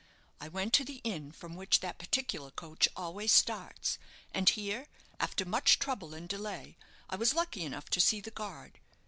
I went to the inn from which that particular coach always starts; and here, after much trouble and delay, I was lucky enough to see the guard.